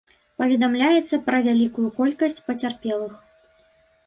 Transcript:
Паведамляецца пра вялікую колькасць пацярпелых.